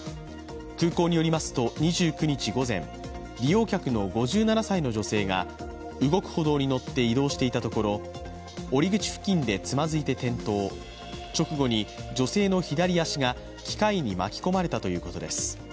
空港によりますと２９日午前、利用客の５７歳の女性が動く歩道に乗って移動していたところ降り口付近でつまずいて転倒、直後に女性の左足が機械に巻き込まれたということです。